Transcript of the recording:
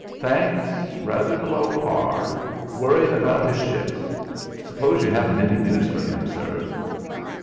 "Thanks, rather below par, worryin' about his ships. Suppose you haven't any news for him, sir?"